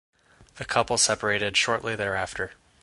The couple separated shortly thereafter.